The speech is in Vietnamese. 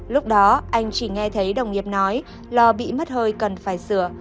lúc đó anh chỉ nghe thấy đồng nghiệp nói lò bị mất hơi cần phải sửa